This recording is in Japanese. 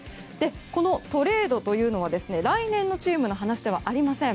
このトレードというのは来年のチームの話ではありません。